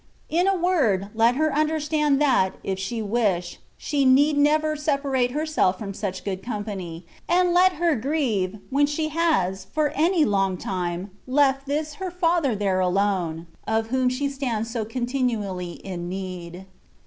In a word, let her understand that, if she wish, she need never separate herself from such good company; and let her grieve, when she has, for any long time, left tins her JPather there alone, of whom 4ihe stands so con tinually in need.